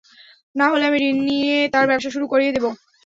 না হলে আমি ঋণ নিয়ে তার ব্যবসা শুরু করিয়ে দিব।